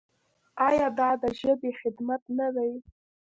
آیا دا د ژبې خدمت نه دی؟